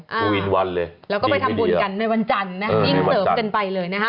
แล้วก็ไปทำบุญกันในวันจันทร์นะอิ่มเสริมกันไปเลยนะคะ